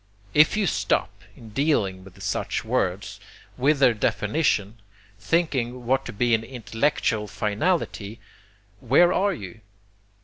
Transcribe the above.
If you stop, in dealing with such words, with their definition, thinking that to be an intellectual finality, where are you?